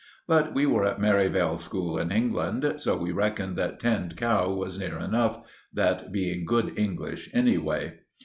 But we were at Merivale School in England, so we reckoned that Tinned Cow was near enough, that being good English anyway.